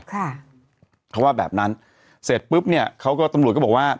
ค่ะเขาว่าแบบนั้นเสร็จปุ๊บเนี้ยเขาก็ตำรวจก็บอกว่า